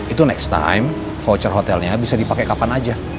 itu next time voucher hotelnya bisa dipakai kapan aja